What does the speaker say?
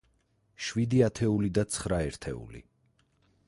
შვიდი ათეული და ცხრა ერთეული.